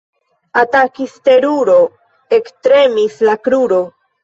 Atakis teruro, ektremis la kruro.